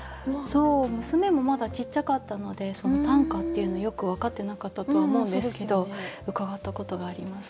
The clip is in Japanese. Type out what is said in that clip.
娘もまだちっちゃかったので短歌っていうのをよく分かってなかったとは思うんですけど伺ったことがあります。